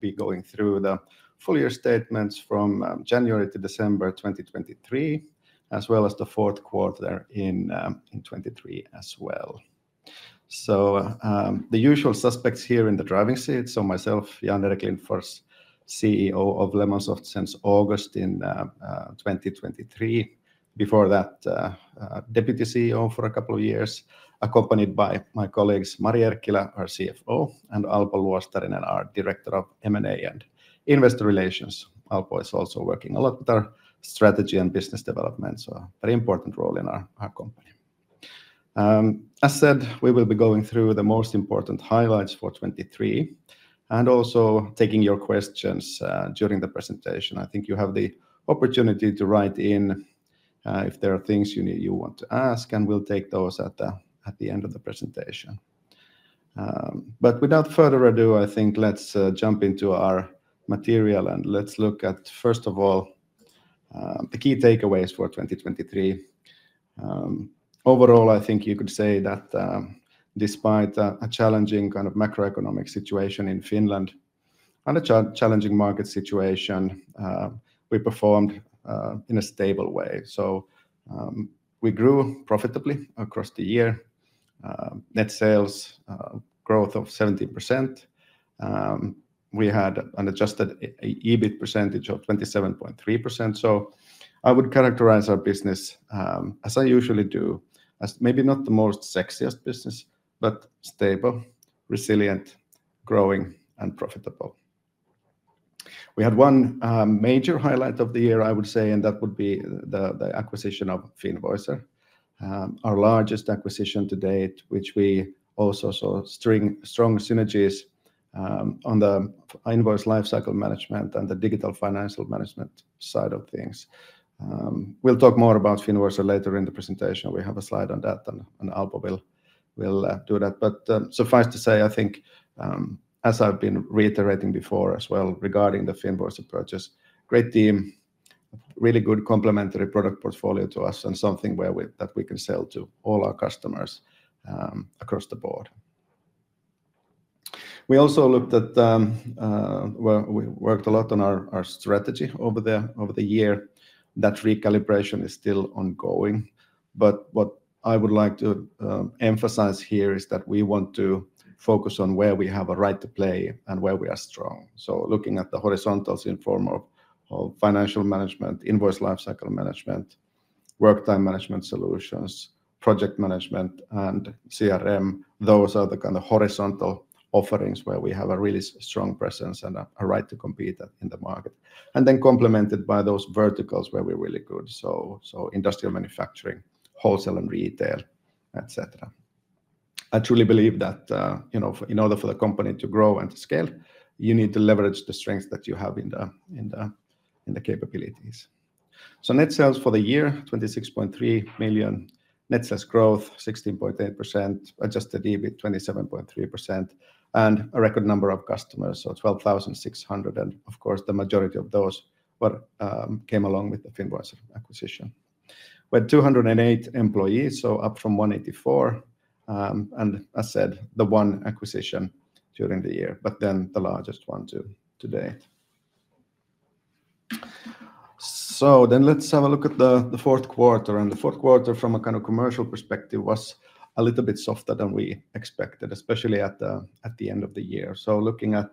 be going through the full year statements from January to December 2023, as well as the fourth quarter in 2023 as well. So, the usual suspects here in the driving seat. So myself, Jan-Erik Lindfors, CEO of Lemonsoft since August 2023. Before that, Deputy CEO for a couple of years, accompanied by my colleagues, Mari Erkkilä, our CFO, and Alpo Luostarinen, our Director of M&A and Investor Relations. Alpo is also working a lot with our strategy and business development, so a very important role in our company. As said, we will be going through the most important highlights for 2023 and also taking your questions during the presentation. I think you have the opportunity to write in, if there are things you want to ask, and we'll take those at the end of the presentation. But without further ado, I think let's jump into our material, and let's look at, first of all, the key takeaways for 2023. Overall, I think you could say that, despite a challenging kind of macroeconomic situation in Finland and a challenging market situation, we performed in a stable way. So, we grew profitably across the year. Net sales growth of 17%. We had an Adjusted EBIT percentage of 27.3%. So I would characterize our business, as I usually do, as maybe not the most sexiest business, but stable, resilient, growing, and profitable. We had one major highlight of the year, I would say, and that would be the acquisition of Finvoicer. Our largest acquisition to date, which we also saw strong synergies, on the invoice lifecycle management and the digital financial management side of things. We'll talk more about Finvoicer later in the presentation. We have a slide on that, and Alpo will do that. But suffice to say, I think, as I've been reiterating before as well regarding the Finvoicer purchase, great team, really good complementary product portfolio to us, and something that we can sell to all our customers, across the board. We also looked at, well, we worked a lot on our strategy over the year. That recalibration is still ongoing, but what I would like to emphasize here is that we want to focus on where we have a right to play and where we are strong. So looking at the horizontals in form of, of financial management, invoice lifecycle management, work time management solutions, project management, and CRM, those are the kind of horizontal offerings where we have a really strong presence and a, a right to compete in the market. And then complemented by those verticals where we're really good, so, so industrial manufacturing, wholesale and retail, et cetera. I truly believe that, you know, in order for the company to grow and to scale, you need to leverage the strengths that you have in the, in the, in the capabilities. So net sales for the year, 26.3 million. Net sales growth, 16.8%. Adjusted EBIT, 27.3%. A record number of customers, so 12,600, and of course, the majority of those came along with the Finvoicer acquisition. We're 208 employees, so up from 184. I said the one acquisition during the year, but then the largest one to date. So let's have a look at the fourth quarter. The fourth quarter from a kind of commercial perspective was a little bit softer than we expected, especially at the end of the year. So looking at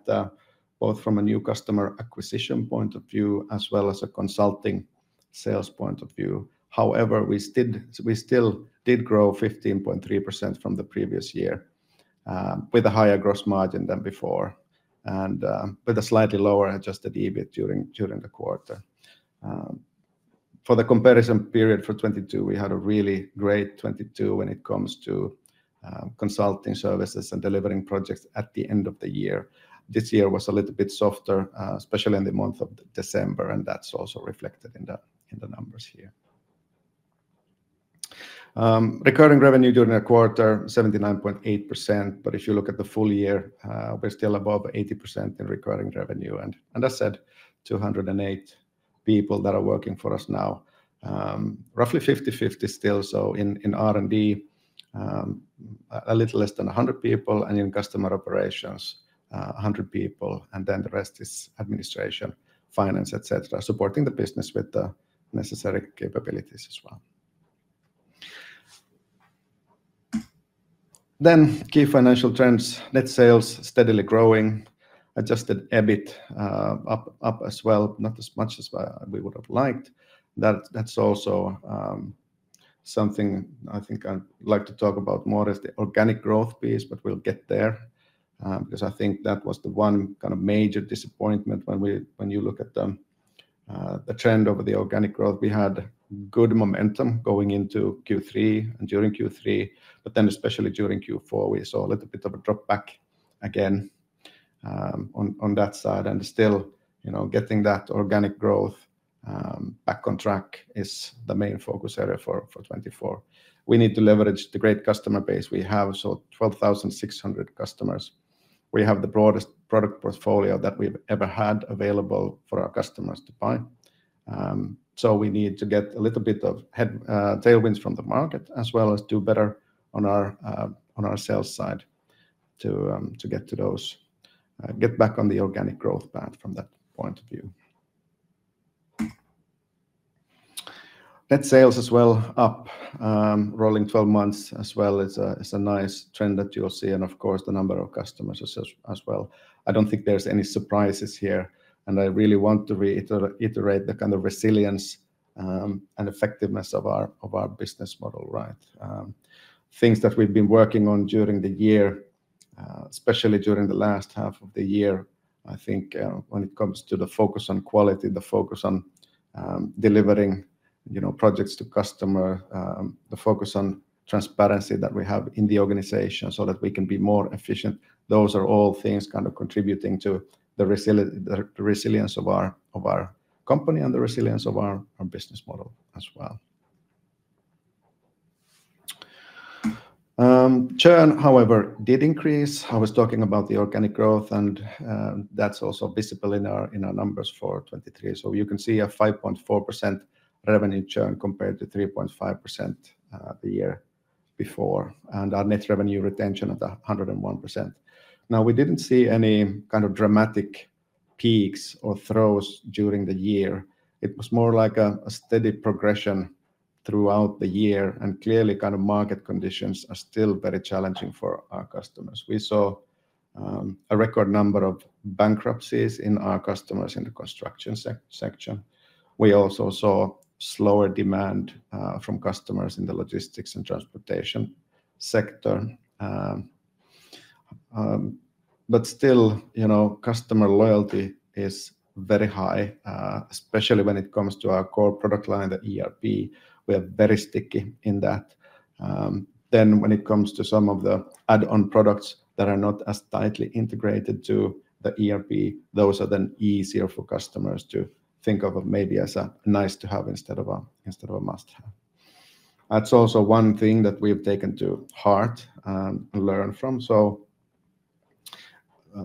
both from a new customer acquisition point of view, as well as a consulting sales point of view. However, we still did grow 15.3% from the previous year, with a higher gross margin than before, and with a slightly lower Adjusted EBIT during the quarter. For the comparison period for 2022, we had a really great 2022 when it comes to consulting services and delivering projects at the end of the year. This year was a little bit softer, especially in the month of December, and that's also reflected in the numbers here. Recurring revenue during the quarter, 79.8%, but if you look at the full year, we're still above 80% in recurring revenue. And I said, 208 people that are working for us now, roughly 50/50 still. So in R&D, a little less than 100 people, and in customer operations, 100 people, and then the rest is administration, finance, et cetera, supporting the business with the necessary capabilities as well. Then, key financial trends, net sales steadily growing, Adjusted EBIT up as well, not as much as we would have liked. That’s also something I think I’d like to talk about more, is the organic growth base, but we’ll get there, because I think that was the one kind of major disappointment when you look at the trend over the organic growth. We had good momentum going into Q3 and during Q3, but then especially during Q4, we saw a little bit of a drop back again, on that side. Still, you know, getting that organic growth back on track is the main focus area for 2024. We need to leverage the great customer base we have, so 12,600 customers. We have the broadest product portfolio that we've ever had available for our customers to buy. So we need to get a little bit of tailwinds from the market, as well as do better on our sales side to get to those get back on the organic growth path from that point of view. Net sales as well up rolling twelve months as well. It's a nice trend that you'll see, and of course, the number of customers as well. I don't think there's any surprises here, and I really want to iterate the kind of resilience and effectiveness of our business model, right? Things that we've been working on during the year, especially during the last half of the year, I think, when it comes to the focus on quality, the focus on delivering, you know, projects to customer, the focus on transparency that we have in the organization so that we can be more efficient, those are all things kind of contributing to the resilience of our company and the resilience of our business model as well. Churn, however, did increase. I was talking about the organic growth, and that's also visible in our numbers for 2023. So you can see a 5.4% revenue churn compared to 3.5%, the year before, and our net revenue retention at 101%. Now, we didn't see any kind of dramatic peaks or troughs during the year. It was more like a steady progression throughout the year, and clearly, kind of market conditions are still very challenging for our customers. We saw a record number of bankruptcies in our customers in the construction section. We also saw slower demand from customers in the logistics and transportation sector. But still, you know, customer loyalty is very high, especially when it comes to our core product line, the ERP. We are very sticky in that. Then when it comes to some of the add-on products that are not as tightly integrated to the ERP, those are then easier for customers to think of maybe as a nice-to-have instead of a, instead of a must-have. That's also one thing that we've taken to heart and, and learned from. So,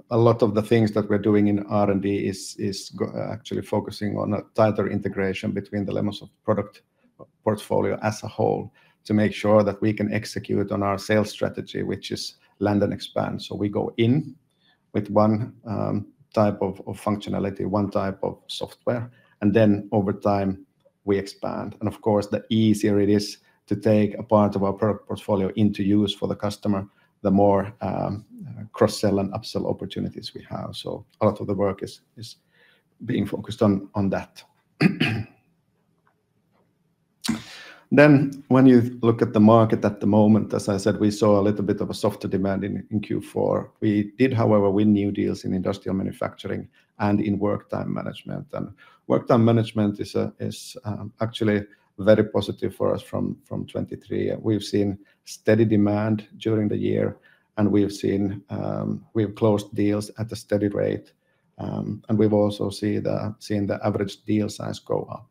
a lot of the things that we're doing in R&D is actually focusing on a tighter integration between the Lemonsoft product portfolio as a whole, to make sure that we can execute on our sales strategy, which is land and expand. So we go in with one, type of, of functionality, one type of software, and then over time, we expand. And of course, the easier it is to take a part of our product portfolio into use for the customer, the more, cross-sell and upsell opportunities we have. So a lot of the work is being focused on that. Then, when you look at the market at the moment, as I said, we saw a little bit of a softer demand in Q4. We did, however, win new deals in industrial manufacturing and in work time management. And work time management is actually very positive for us from 2023. We've seen steady demand during the year, and we have closed deals at a steady rate, and we've also seen the average deal size go up.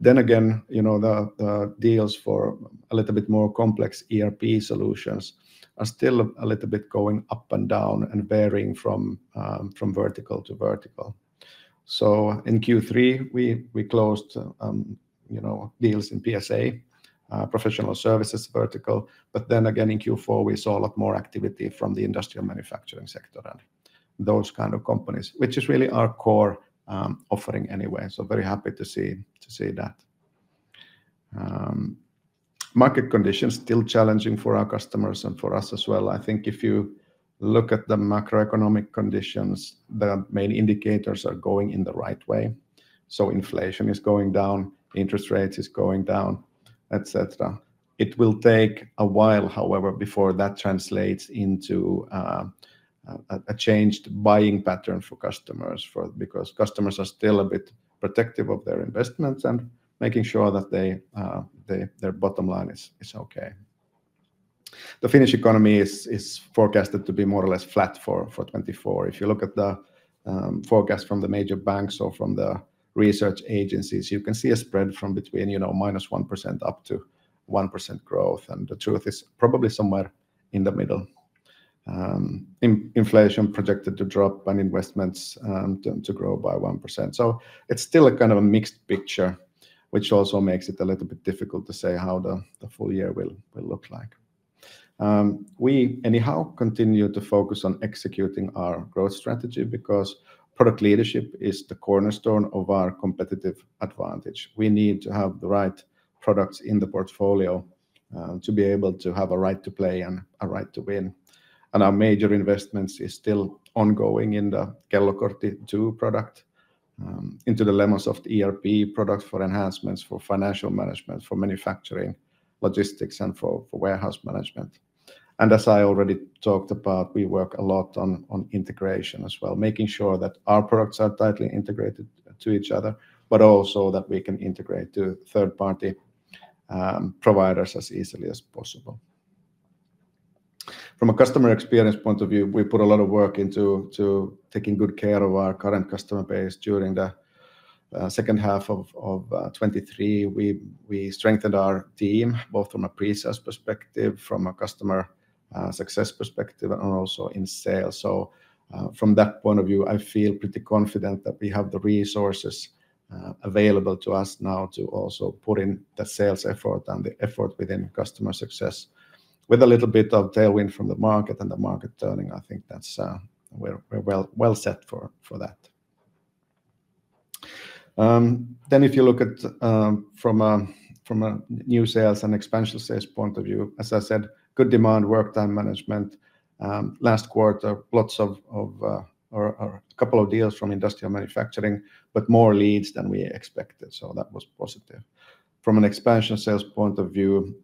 Then again, you know, the deals for a little bit more complex ERP solutions are still a little bit going up and down and varying from vertical to vertical. So in Q3, we closed, you know, deals in PSA, professional services vertical, but then again, in Q4, we saw a lot more activity from the industrial manufacturing sector and those kind of companies, which is really our core offering anyway. So very happy to see that. Market conditions still challenging for our customers and for us as well. I think if you look at the macroeconomic conditions, the main indicators are going in the right way. So inflation is going down, interest rates is going down, et cetera. It will take a while, however, before that translates into a changed buying pattern for customers because customers are still a bit protective of their investments and making sure that they their bottom line is okay. The Finnish economy is forecasted to be more or less flat for 2024. If you look at the forecast from the major banks or from the research agencies, you can see a spread from between, you know, -1% to 1% growth, and the truth is probably somewhere in the middle. Inflation projected to drop and investments to grow by 1%. So it's still a kind of a mixed picture, which also makes it a little bit difficult to say how the full year will look like. We anyhow continue to focus on executing our growth strategy because product leadership is the cornerstone of our competitive advantage. We need to have the right products in the portfolio to be able to have a right to play and a right to win. Our major investments is still ongoing in the Kellokortti 2 product, into the Lemonsoft ERP product for enhancements, for financial management, for manufacturing, logistics, and for warehouse management. And as I already talked about, we work a lot on integration as well, making sure that our products are tightly integrated to each other, but also that we can integrate to third-party providers as easily as possible. From a customer experience point of view, we put a lot of work into taking good care of our current customer base during the second half of 2023. We strengthened our team, both from a pre-sales perspective, from a customer success perspective and also in sales. From that point of view, I feel pretty confident that we have the resources available to us now to also put in the sales effort and the effort within customer success. With a little bit of tailwind from the market and the market turning, I think that's we're well set for that. If you look at from a new sales and expansion sales point of view, as I said, good demand, work time management. Last quarter, lots of or a couple of deals from industrial manufacturing, but more leads than we expected, so that was positive. From an expansion sales point of view,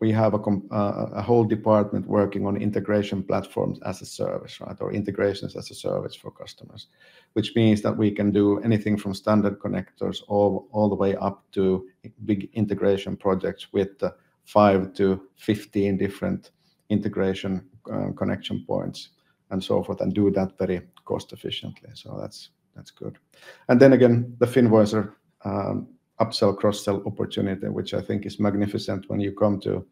we have a whole department working on integration platforms as a service, right? Or integrations as a service for customers. Which means that we can do anything from standard connectors all the way up to big integration projects with 5-15 different integration connection points and so forth, and do that very cost efficiently. So that's good. And then again, the Finvoicer upsell, cross-sell opportunity, which I think is magnificent when you come to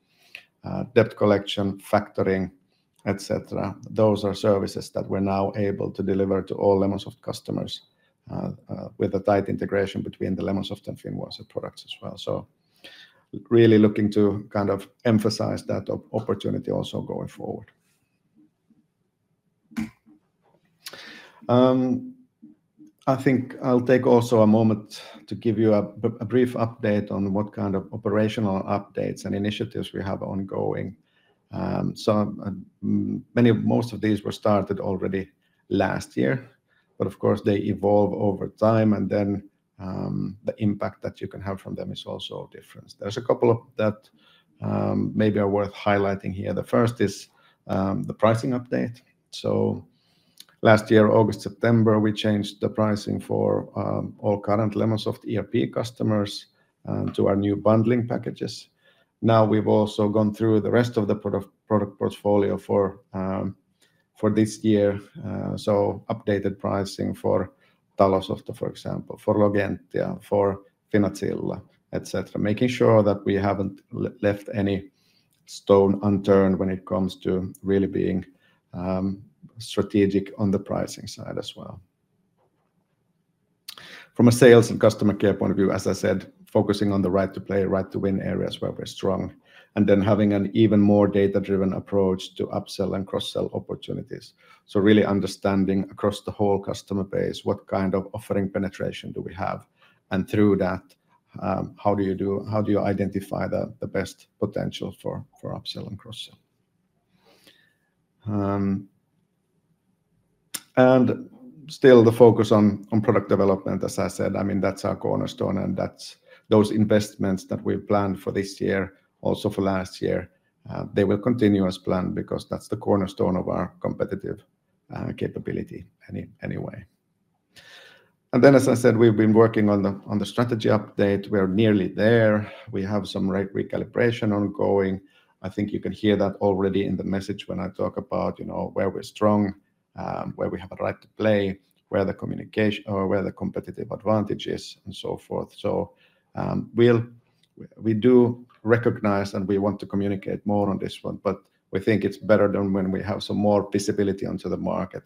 debt collection, factoring, et cetera. Those are services that we're now able to deliver to all Lemonsoft customers with a tight integration between the Lemonsoft and Finvoicer products as well. So really looking to kind of emphasize that opportunity also going forward. I think I'll take also a moment to give you a brief update on what kind of operational updates and initiatives we have ongoing. So many of... Most of these were started already last year, but of course, they evolve over time, and then the impact that you can have from them is also different. There's a couple of that maybe are worth highlighting here. The first is the pricing update. So last year, August, September, we changed the pricing for all current Lemonsoft ERP customers to our new bundling packages. Now, we've also gone through the rest of the product portfolio for this year. So updated pricing for Talosofta, for example, for Logentia, for Finanssila, et cetera. Making sure that we haven't left any stone unturned when it comes to really being strategic on the pricing side as well. From a sales and customer care point of view, as I said, focusing on the right to play, right to win areas where we're strong, and then having an even more data-driven approach to upsell and cross-sell opportunities. So really understanding across the whole customer base, what kind of offering penetration do we have? And through that, how do you identify the best potential for upsell and cross-sell? And still the focus on product development, as I said, I mean, that's our cornerstone, and that's those investments that we've planned for this year, also for last year, they will continue as planned because that's the cornerstone of our competitive capability anyway. And then, as I said, we've been working on the strategy update. We're nearly there. We have some recalibration ongoing. I think you can hear that already in the message when I talk about, you know, where we're strong, where we have a right to play, where the communication or where the competitive advantage is, and so forth. So, we do recognize and we want to communicate more on this one, but we think it's better than when we have some more visibility onto the market.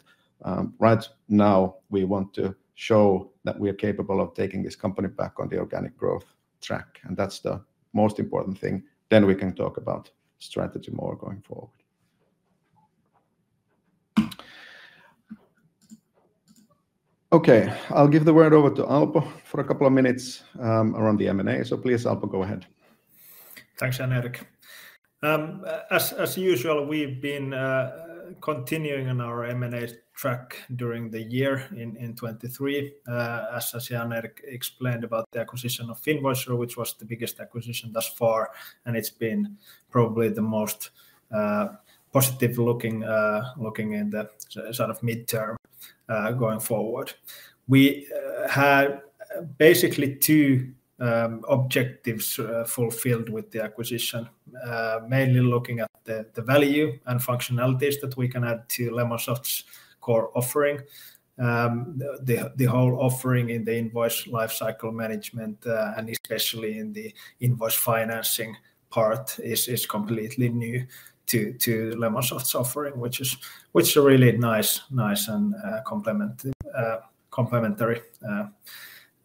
Right now, we want to show that we are capable of taking this company back on the organic growth track, and that's the most important thing. Then we can talk about strategy more going forward. Okay, I'll give the word over to Alpo for a couple of minutes, around the M&A. So please, Alpo, go ahead. Thanks, Jan-Erik. As usual, we've been continuing on our M&A track during the year in 2023. As Jan-Erik explained about the acquisition of Finvoicer, which was the biggest acquisition thus far, and it's been probably the most positive looking in the sort of midterm going forward. We had basically two objectives fulfilled with the acquisition. Mainly looking at the value and functionalities that we can add to Lemonsoft's core offering. The whole offering in the invoice life cycle management and especially in the invoice financing part is completely new to Lemonsoft's offering, which is a really nice complementary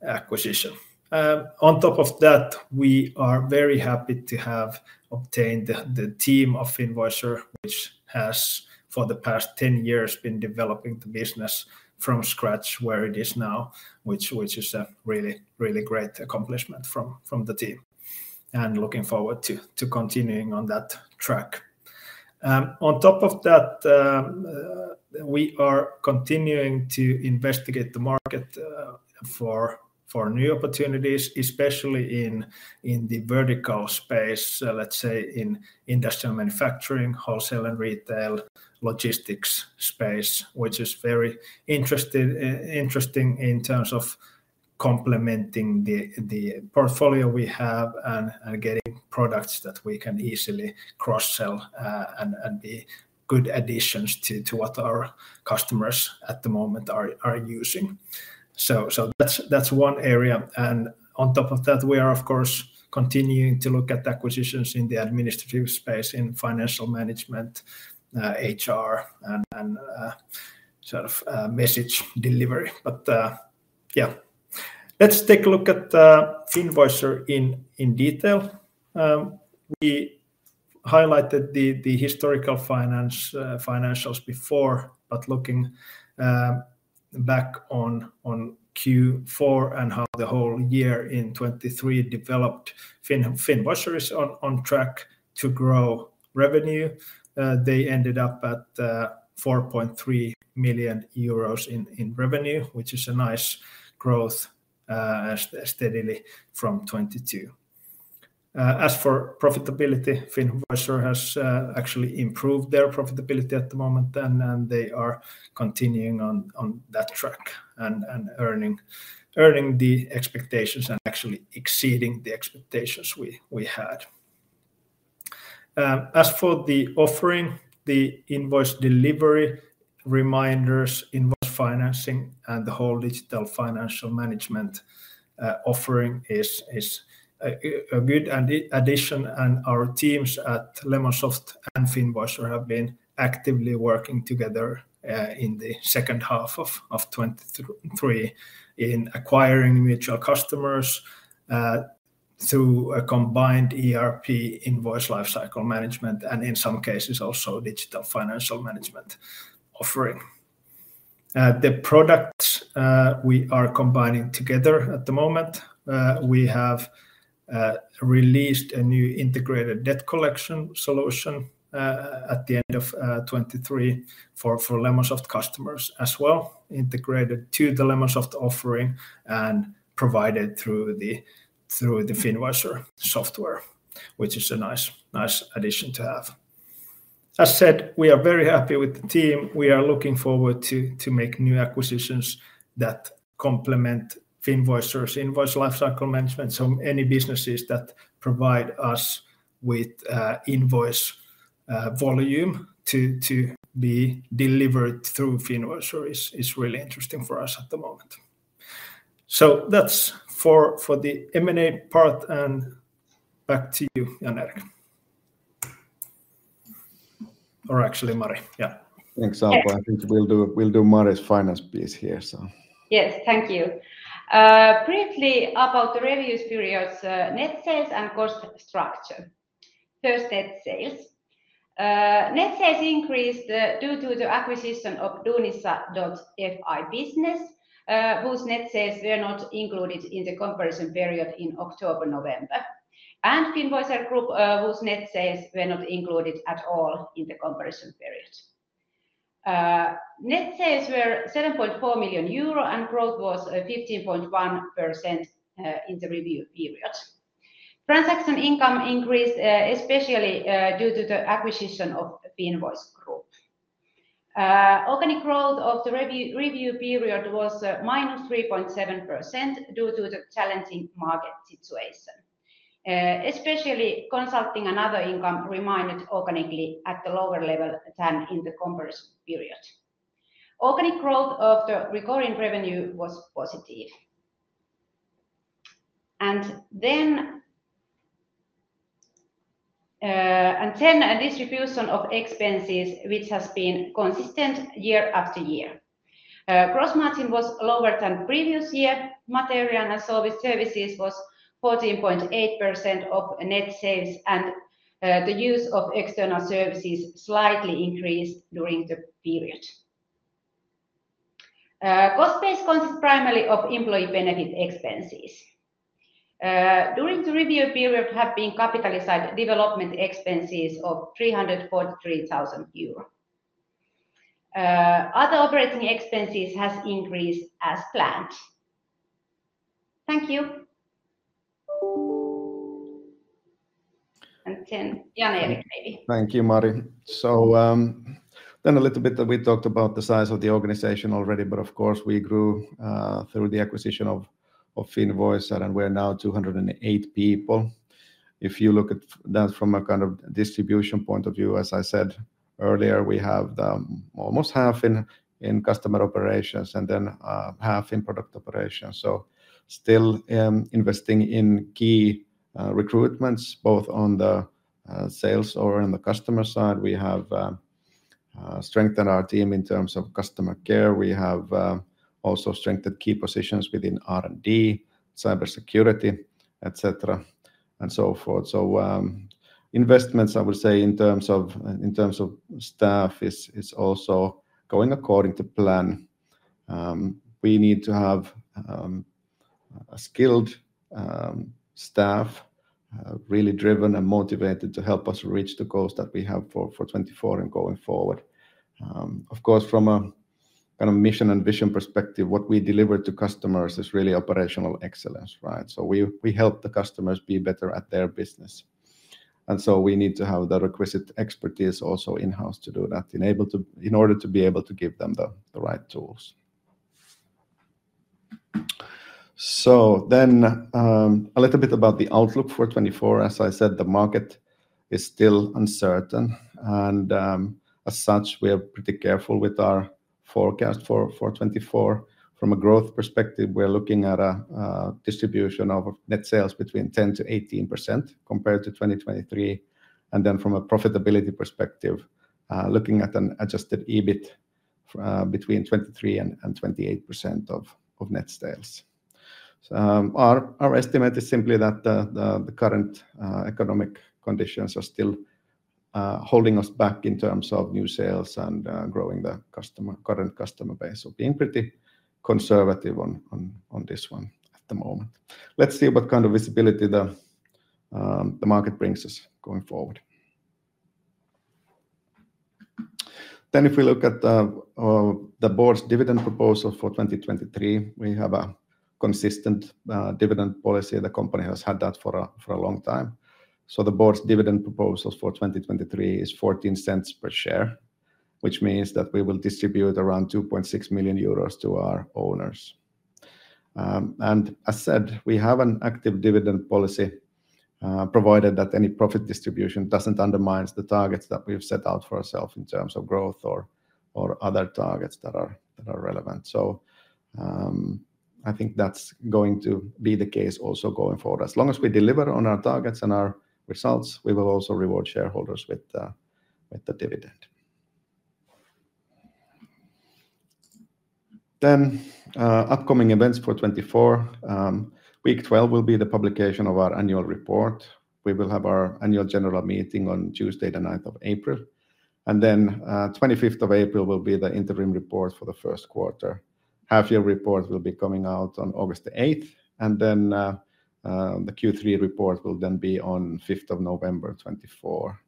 acquisition. On top of that, we are very happy to have obtained the team of Finvoicer, which has, for the past 10 years, been developing the business from scratch where it is now, which is a really, really great accomplishment from the team, and looking forward to continuing on that track. On top of that, we are continuing to investigate the market for new opportunities, especially in the vertical space, let's say, in industrial manufacturing, wholesale and retail, logistics space, which is very interesting, interesting in terms of complementing the portfolio we have and getting products that we can easily cross-sell and be good additions to what our customers at the moment are using. So that's one area, and on top of that, we are, of course, continuing to look at acquisitions in the administrative space, in financial management, HR, and sort of message delivery. But yeah. Let's take a look at Finvoicer in detail. We highlighted the historical financials before, but looking back on Q4 and how the whole year in 2023 developed, Finvoicer is on track to grow revenue. They ended up at 4.3 million euros in revenue, which is a nice growth as steadily from 2022. As for profitability, Finvoicer has actually improved their profitability at the moment, and they are continuing on that track and earning the expectations and actually exceeding the expectations we had. As for the offering, the invoice delivery, reminders, invoice financing, and the whole digital financial management offering is a good addition, and our teams at Lemonsoft and Finvoicer have been actively working together in the second half of 2023 in acquiring mutual customers through a combined ERP invoice lifecycle management, and in some cases, also digital financial management offering. The products we are combining together at the moment, we have released a new integrated debt collection solution at the end of 2023 for Lemonsoft customers as well, integrated to the Lemonsoft offering and provided through the Finvoicer software, which is a nice addition to have. As said, we are very happy with the team. We are looking forward to make new acquisitions that complement Finvoicer's invoice lifecycle management. So any businesses that provide us with invoice volume to be delivered through Finvoicer is really interesting for us at the moment. So that's for the M&A part, and back to you, Jan-Erik. Or actually, Mari. Yeah. Thanks, Alpo. I think we'll do Mari's finance piece here, so. Yes, thank you. Briefly, about the review period's net sales and cost structure. First, net sales. Net sales increased due to the acquisition of Duunissa.fi business, whose net sales were not included in the comparison period in October, November, and Finvoicer Group, whose net sales were not included at all in the comparison period. Net sales were 7.4 million euro, and growth was 15.1% in the review period. Transaction income increased, especially due to the acquisition of Finvoicer Group. Organic growth of the review period was -3.7% due to the challenging market situation. Especially consulting and other income remained organically at a lower level than in the comparison period. Organic growth of the recurring revenue was positive. And then a distribution of expenses, which has been consistent year after year. Gross margin was lower than previous year. Material and service services was 14.8% of net sales, and the use of external services slightly increased during the period. Cost base consists primarily of employee benefit expenses. During the review period have been capitalized development expenses of 343 thousand euros. Other operating expenses has increased as planned. Thank you. And then Jan-Erik, maybe. Thank you, Mari. So, then a little bit, we talked about the size of the organization already, but of course, we grew through the acquisition of Finvoicer, and we're now 208 people. If you look at that from a kind of distribution point of view, as I said earlier, we have almost half in customer operations and then half in product operations. So still investing in key recruitments, both on the sales or on the customer side. We have strengthened our team in terms of customer care. We have also strengthened key positions within R&D, cybersecurity, et cetera, and so forth. So, investments, I would say, in terms of staff, is also going according to plan. We need to have a skilled staff really driven and motivated to help us reach the goals that we have for 2024 and going forward. Of course, from a kind of mission and vision perspective, what we deliver to customers is really operational excellence, right? So we help the customers be better at their business, and so we need to have the requisite expertise also in-house to do that, in order to be able to give them the right tools. So then, a little bit about the outlook for 2024. As I said, the market is still uncertain, and, as such, we are pretty careful with our forecast for 2024. From a growth perspective, we're looking at a distribution of net sales between 10%-18% compared to 2023. From a profitability perspective, looking at an adjusted EBIT between 23%-28% of net sales. So, our estimate is simply that the current economic conditions are still holding us back in terms of new sales and growing the current customer base. So being pretty conservative on this one at the moment. Let's see what kind of visibility the market brings us going forward. Then, if we look at the board's dividend proposal for 2023, we have a consistent dividend policy. The company has had that for a long time. So the board's dividend proposals for 2023 is 0.14 per share, which means that we will distribute around 2.6 million euros to our owners. And as said, we have an active dividend policy, provided that any profit distribution doesn't undermine the targets that we've set out for ourselves in terms of growth or other targets that are relevant. So, I think that's going to be the case also going forward. As long as we deliver on our targets and our results, we will also reward shareholders with the dividend. Then, upcoming events for 2024, week 12 will be the publication of our annual report. We will have our annual general meeting on Tuesday, the 9th of April, and then, 25th of April will be the interim report for the first quarter. Half-year report will be coming out on August the 8th, and then, the Q3 report will then be on 5th of November, 2024.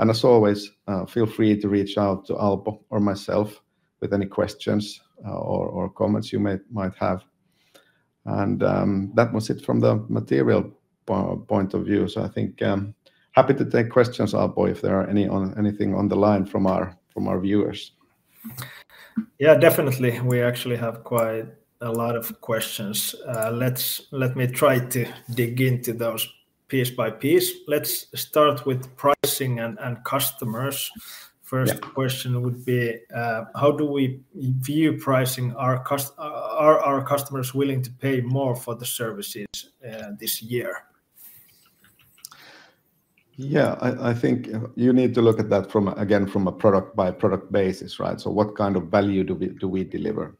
As always, feel free to reach out to Alpo or myself with any questions, or comments you might have. That was it from the material point of view. So I think happy to take questions, Alpo, if there are any anything on the line from our viewers. Yeah, definitely. We actually have quite a lot of questions. Let's let me try to dig into those piece by piece. Let's start with pricing and customers. Yeah. First question would be: How do we view pricing? Are our customers willing to pay more for the services this year? Yeah, I think you need to look at that from, again, from a product-by-product basis, right? So what kind of value do we, do we deliver?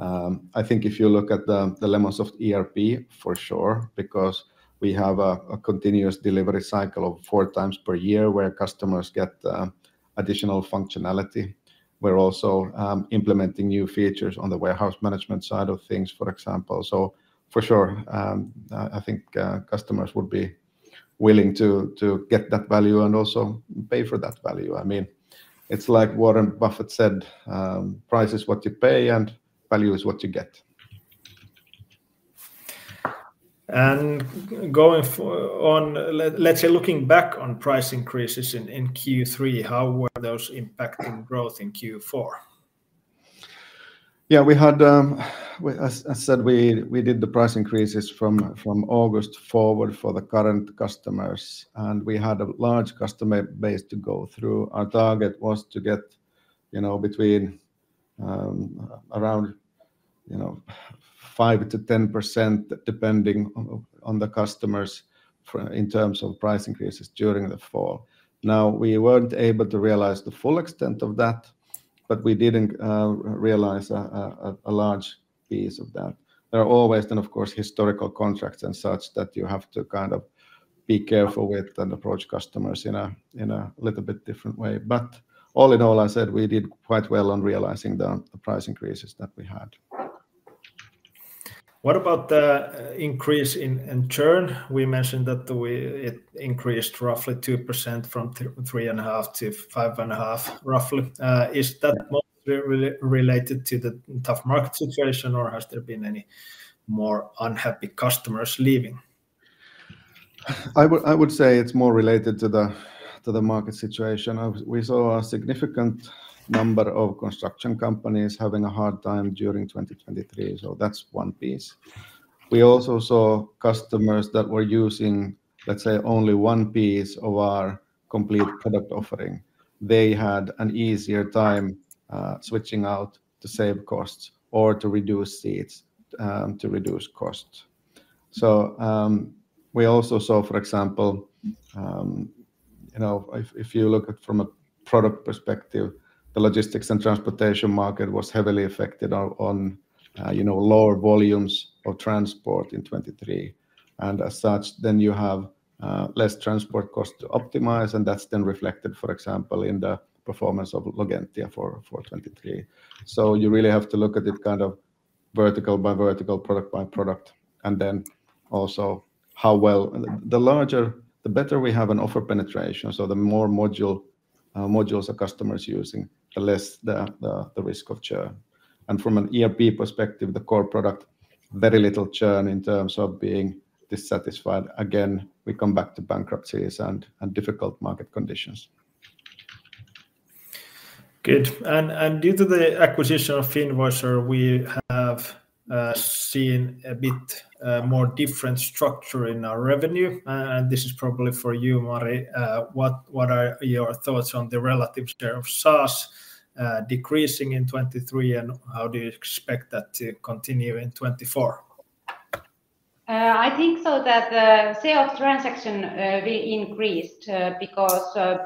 I think if you look at the Lemonsoft ERP, for sure, because we have a continuous delivery cycle of four times per year, where customers get additional functionality. We're also implementing new features on the warehouse management side of things, for example. So for sure, I think customers would be willing to get that value and also pay for that value. I mean, it's like Warren Buffett said, "Price is what you pay, and value is what you get. And going on, let's say, looking back on price increases in Q3, how were those impacting growth in Q4? Yeah, we had, well, as I said, we did the price increases from August forward for the current customers, and we had a large customer base to go through. Our target was to get, you know, between, around, you know, 5%-10%, depending on the customers in terms of price increases during the fall. Now, we weren't able to realize the full extent of that, but we did realize a large piece of that. There are always then, of course, historical contracts and such that you have to kind of be careful with and approach customers in a little bit different way. But all in all, I said we did quite well on realizing the price increases that we had. What about the increase in churn? We mentioned that it increased roughly 2% from 3.5%-5.5%, roughly. Is that more related to the tough market situation, or has there been any more unhappy customers leaving? I would, I would say it's more related to the, to the market situation. We saw a significant number of construction companies having a hard time during 2023, so that's one piece. We also saw customers that were using, let's say, only one piece of our complete product offering. They had an easier time switching out to save costs or to reduce seats to reduce costs. So, we also saw, for example, you know, if you look at from a product perspective, the logistics and transportation market was heavily affected on lower volumes of transport in 2023. And as such, then you have less transport costs to optimize, and that's then reflected, for example, in the performance of Logentia for 2023. So you really have to look at it kind of vertical by vertical, product by product, and then also how well- The larger- the better we have an offer penetration, so the more modules a customer is using, the less the risk of churn. And from an ERP perspective, the core product, very little churn in terms of being dissatisfied. Again, we come back to bankruptcies and difficult market conditions.... Good. And, and due to the acquisition of Finvoicer, we have seen a bit more different structure in our revenue. And this is probably for you, Mari. What, what are your thoughts on the relative share of SaaS decreasing in 2023, and how do you expect that to continue in 2024? I think so that the sales transaction will increased because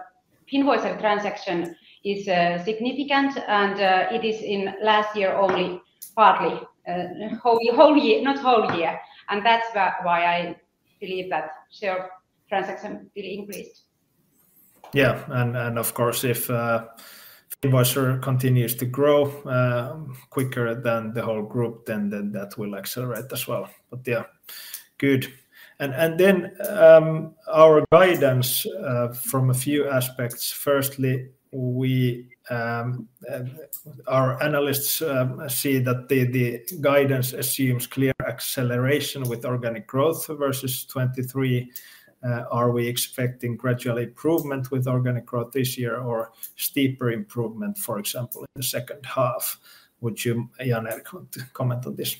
Finvoicer transaction is significant, and it is in last year only partly, whole year, not whole year. And that's why I believe that share of transaction will increase. Yeah, and, and of course, if Finvoicer continues to grow quicker than the whole group, then, then that will accelerate as well. But yeah, good. And, and then our guidance from a few aspects. Firstly, we our analysts see that the guidance assumes clear acceleration with organic growth versus 2023. Are we expecting gradual improvement with organic growth this year or steeper improvement, for example, in the second half? Would you, Jan-Erik, want to comment on this?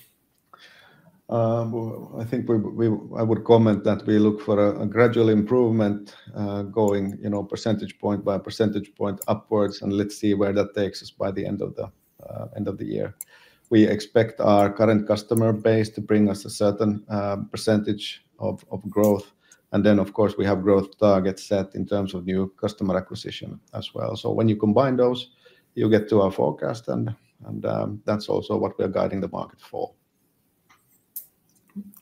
Well, I think we would comment that we look for a gradual improvement, going, you know, percentage point by percentage point upwards, and let's see where that takes us by the end of the year. We expect our current customer base to bring us a certain percentage of growth, and then, of course, we have growth targets set in terms of new customer acquisition as well. So when you combine those, you get to our forecast, and that's also what we're guiding the market for.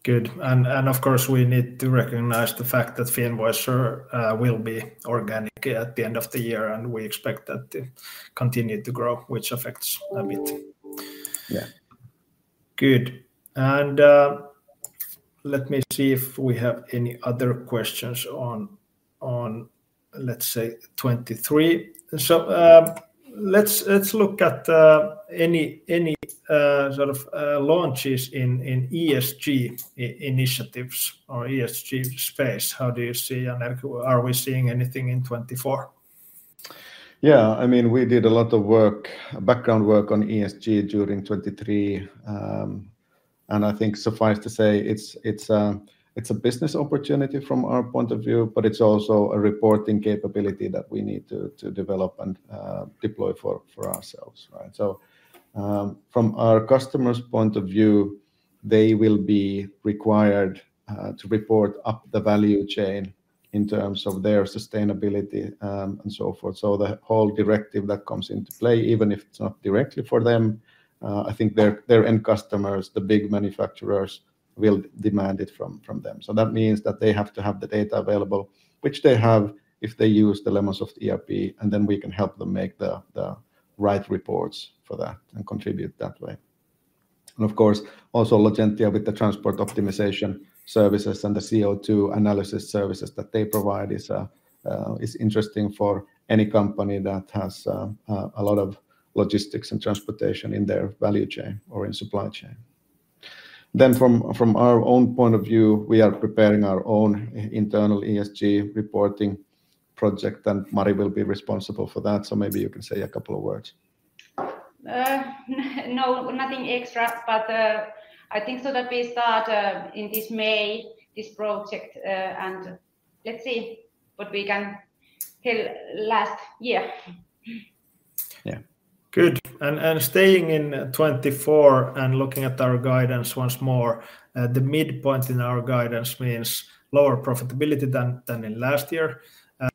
Good. And, of course, we need to recognize the fact that Finvoicer will be organic at the end of the year, and we expect that to continue to grow, which affects a bit. Yeah. Good. And, let me see if we have any other questions on, on, let's say, 2023. So, let's look at any sort of launches in ESG initiatives or ESG space. How do you see, Jan-Erik, are we seeing anything in 2024? Yeah. I mean, we did a lot of work, background work on ESG during 2023. And I think suffice to say, it's, it's, it's a business opportunity from our point of view, but it's also a reporting capability that we need to, to develop and, deploy for, for ourselves, right? So, from our customer's point of view, they will be required, to report up the value chain in terms of their sustainability, and so forth. So the whole directive that comes into play, even if it's not directly for them, I think their, their end customers, the big manufacturers, will demand it from, from them. So that means that they have to have the data available, which they have if they use the Lemonsoft ERP, and then we can help them make the, the right reports for that and contribute that way. And of course, also Logentia with the transport optimization services and the CO2 analysis services that they provide is interesting for any company that has a lot of logistics and transportation in their value chain or in supply chain. Then from our own point of view, we are preparing our own internal ESG reporting project, and Mari will be responsible for that, so maybe you can say a couple of words. No, nothing extra, but I think so that we start in this May, this project, and let's see what we can tell last year. Yeah. Good. Staying in 2024 and looking at our guidance once more, the midpoint in our guidance means lower profitability than in last year.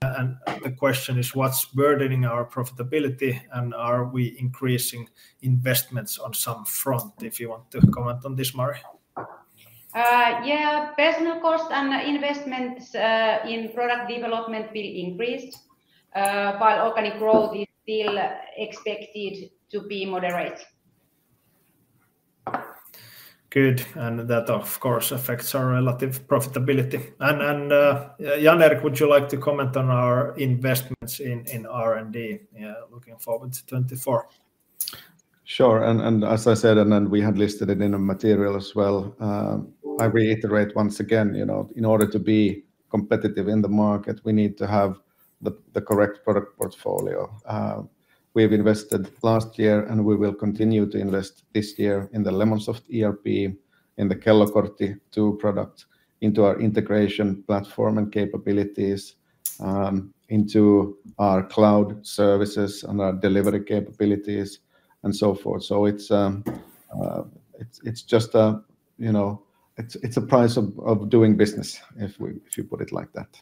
The question is, what's burdening our profitability, and are we increasing investments on some front? If you want to comment on this, Mari. Yeah, personal cost and investments in product development will increase while organic growth is still expected to be moderate. Good. And that, of course, affects our relative profitability. And Jan-Erik, would you like to comment on our investments in R&D, looking forward to 2024? Sure. And as I said, and then we had listed it in the material as well, I reiterate once again, you know, in order to be competitive in the market, we need to have the correct product portfolio. We have invested last year, and we will continue to invest this year in the Lemonsoft ERP, in the Kellokortti product, into our integration platform and capabilities, into our cloud services and our delivery capabilities, and so forth. So it's just, you know, it's a price of doing business, if you put it like that.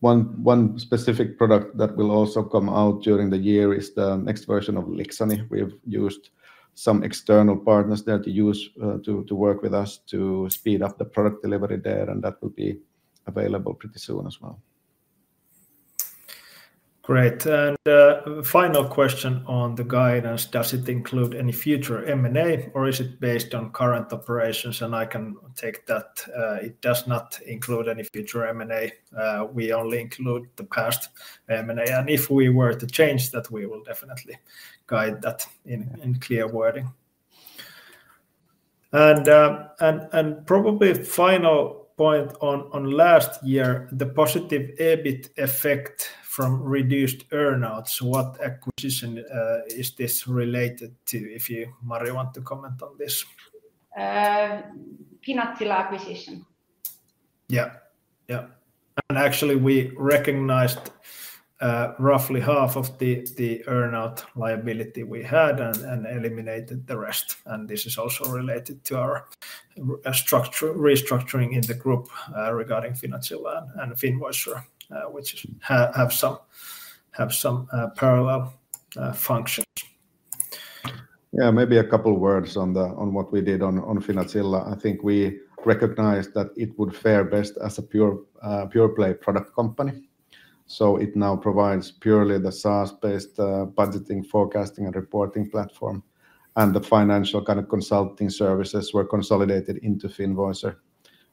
One specific product that will also come out during the year is the next version of Lixani. We've used some external partners there to use, to work with us to speed up the product delivery there, and that will be available pretty soon as well. Great. And final question on the guidance: Does it include any future M&A, or is it based on current operations? And I can take that. It does not include any future M&A. We only include the past M&A, and if we were to change that, we will definitely guide that in clear wording... And probably final point on last year, the positive EBIT effect from reduced earn-outs, what acquisition is this related to? If you, Mari, want to comment on this. Finanssila acquisition. Yeah. Yeah. And actually, we recognized roughly half of the earn-out liability we had and eliminated the rest, and this is also related to our restructuring in the group regarding Finanssila and Finvoicer, which have some parallel functions. Yeah, maybe a couple words on what we did on Finanssila. I think we recognized that it would fare best as a pure-play product company. So it now provides purely the SaaS-based budgeting, forecasting, and reporting platform, and the financial kind of consulting services were consolidated into Finvoicer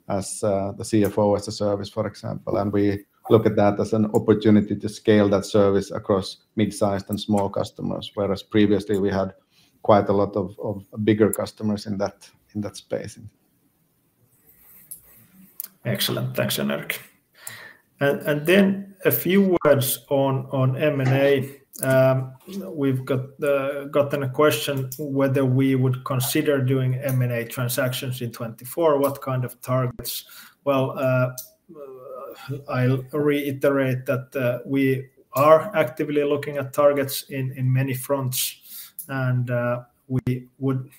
as the CFO as a Service, for example. And we look at that as an opportunity to scale that service across mid-sized and small customers, whereas previously we had quite a lot of bigger customers in that space. Excellent. Thanks, Jan-Erik. And then a few words on M&A. We've gotten a question whether we would consider doing M&A transactions in 2024. What kind of targets? Well, I'll reiterate that we are actively looking at targets in many fronts, and we would,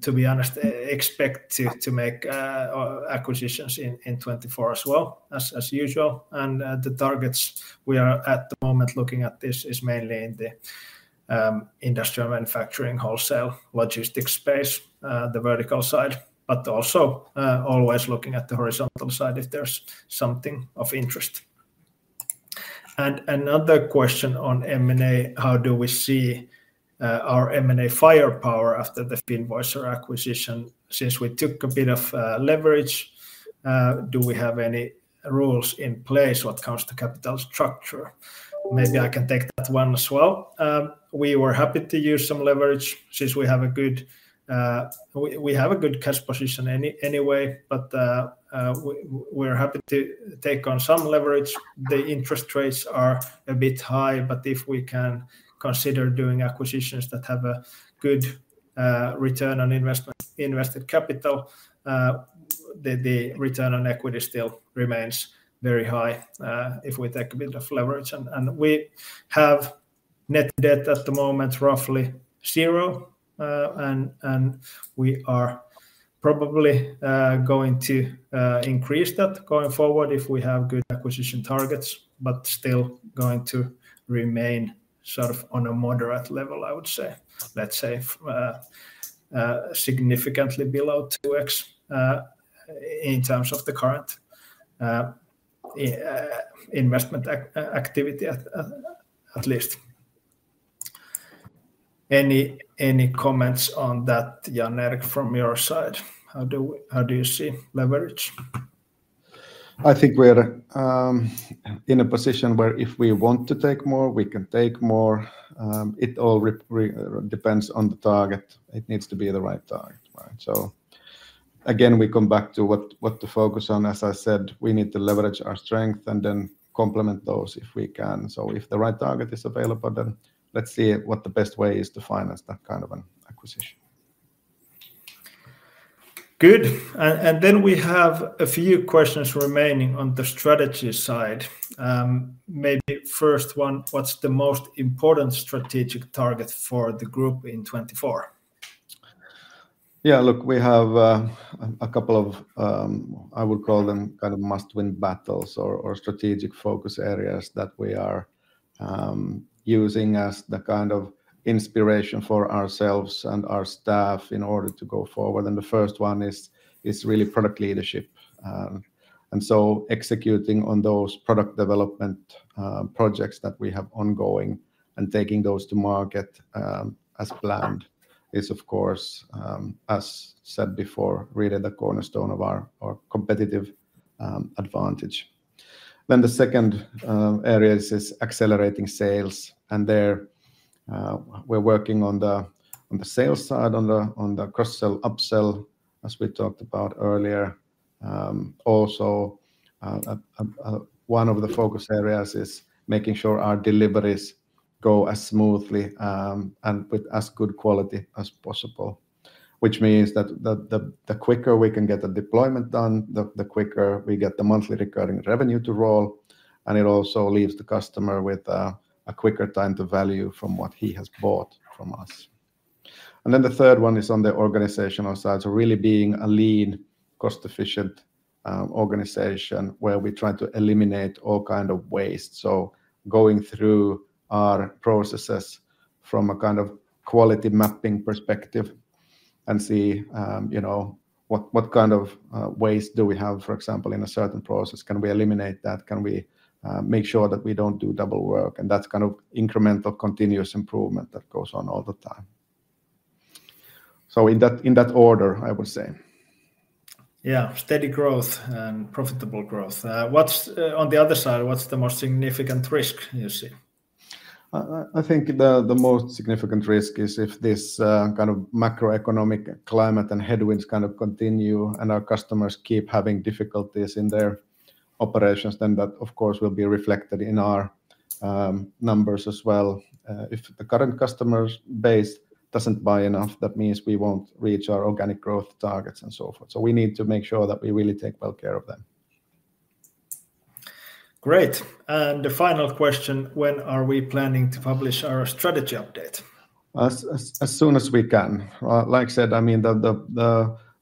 to be honest, expect to make acquisitions in 2024 as well as usual. And the targets we are at the moment looking at this is mainly in the industrial manufacturing, wholesale, logistics space, the vertical side, but also always looking at the horizontal side if there's something of interest. And another question on M&A: How do we see our M&A firepower after the Finvoicer acquisition, since we took a bit of leverage? Do we have any rules in place when it comes to capital structure? Maybe I can take that one as well. We were happy to use some leverage since we have a good... We have a good cash position anyway, but we're happy to take on some leverage. The interest rates are a bit high, but if we can consider doing acquisitions that have a good return on investment- invested capital, the return on equity still remains very high if we take a bit of leverage. And we have net debt at the moment, roughly zero, and we are probably going to increase that going forward if we have good acquisition targets, but still going to remain sort of on a moderate level, I would say. Let's say significantly below 2x, in terms of the current investment activity at least. Any comments on that, Jan-Erik, from your side? How do you see leverage? I think we're in a position where if we want to take more, we can take more. It all depends on the target. It needs to be the right target, right? So again, we come back to what to focus on. As I said, we need to leverage our strength and then complement those if we can. So if the right target is available, then let's see what the best way is to finance that kind of an acquisition. Good. And then we have a few questions remaining on the strategy side. Maybe first one: What's the most important strategic target for the group in 2024? Yeah, look, we have a couple of—I would call them—kind of must-win battles or strategic focus areas that we are using as the kind of inspiration for ourselves and our staff in order to go forward. And the first one is really product leadership. And so executing on those product development projects that we have ongoing and taking those to market as planned is, of course, as said before, really the cornerstone of our competitive advantage. Then the second area is accelerating sales, and there, we're working on the sales side, on the cross-sell, upsell, as we talked about earlier. Also, one of the focus areas is making sure our deliveries go as smoothly, and with as good quality as possible, which means that the quicker we can get the deployment done, the quicker we get the monthly recurring revenue to roll, and it also leaves the customer with a quicker time to value from what he has bought from us. And then the third one is on the organizational side, so really being a lean, cost-efficient organization, where we try to eliminate all kind of waste. So going through our processes from a kind of quality mapping perspective and see, you know, what kind of waste do we have, for example, in a certain process? Can we eliminate that? Can we make sure that we don't do double work? That's kind of incremental, continuous improvement that goes on all the time. In that, in that order, I would say. Yeah, steady growth and profitable growth. What's on the other side, what's the most significant risk you see? I think the most significant risk is if this kind of macroeconomic climate and headwinds kind of continue and our customers keep having difficulties in their operations, then that, of course, will be reflected in our numbers as well. If the current customers base doesn't buy enough, that means we won't reach our organic growth targets, and so forth. So we need to make sure that we really take well care of them. Great. The final question: When are we planning to publish our strategy update? As soon as we can. Like I said, I mean,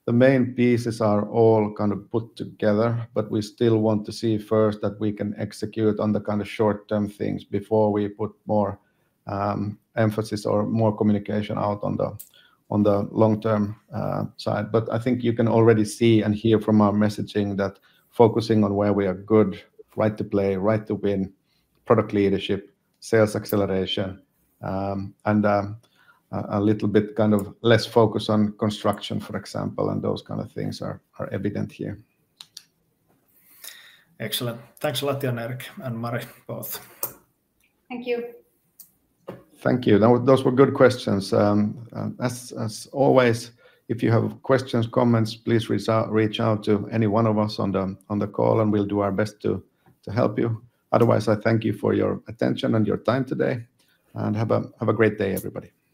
the main pieces are all kind of put together, but we still want to see first that we can execute on the kind of short-term things before we put more emphasis or more communication out on the long-term side. But I think you can already see and hear from our messaging that focusing on where we are good, right to play, right to win, product leadership, sales acceleration, and a little bit kind of less focus on construction, for example, and those kind of things are evident here. Excellent. Thanks a lot, Jan-Erik and Mari, both. Thank you. Thank you. Those were good questions. As always, if you have questions, comments, please reach out to any one of us on the call, and we'll do our best to help you. Otherwise, I thank you for your attention and your time today, and have a great day, everybody.